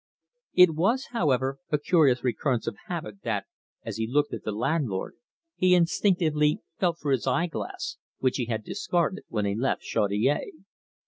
It was, however, a curious recurrence of habit that, as he looked at the landlord, he instinctively felt for his eye glass, which he had discarded when he left Chaudiere.